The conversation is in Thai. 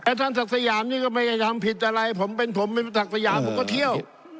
ท่านศักดิ์สยามนี่ก็ไม่ได้ทำผิดอะไรผมเป็นผมเป็นศักดิ์สยามผมก็เที่ยว